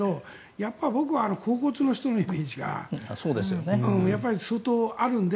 やっぱり僕は「恍惚の人」のイメージがやっぱり、相当あるので。